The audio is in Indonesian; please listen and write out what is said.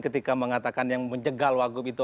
ketika mengatakan yang mencegal wakil itu